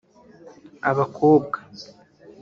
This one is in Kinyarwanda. abakobwa